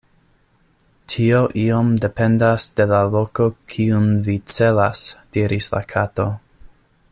"Tio iom dependas de la loko kiun vi celas," diris la Kato.